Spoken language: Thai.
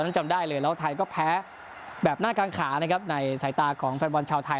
แล้วไทยก็แพ้แบบหน้ากางขาในสายตาของแฟนบอลชาวไทย